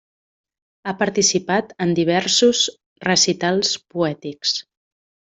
Ha participat en diversos recitals poètics.